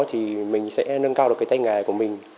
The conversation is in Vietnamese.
thì mình sẽ nâng cao được cái tay nghề của mình